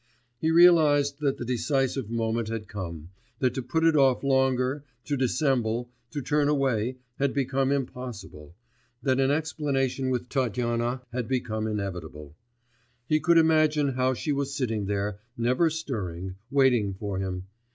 He realised that the decisive moment had come, that to put it off longer, to dissemble, to turn away, had become impossible, that an explanation with Tatyana had become inevitable; he could imagine how she was sitting there, never stirring, waiting for him